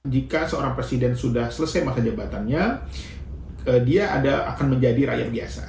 jika seorang presiden sudah selesai masa jabatannya dia akan menjadi rakyat biasa